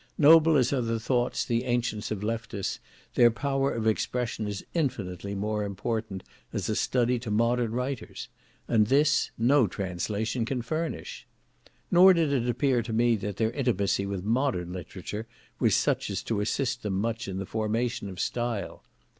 Noble as are the thoughts the ancients have left us, their power of expression is infinitely more important as a study to modern writers; and this no translation can furnish. Nor did it appear to me that their intimacy with modern literature was such as to assist them much in the formation of style.